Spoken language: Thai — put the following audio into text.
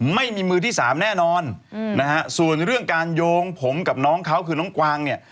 ไม่มีมือที่สามแน่นอนนะฮะส่วนเรื่องการโยงผมกับน้องเขาคือน้องกวางเนี่ย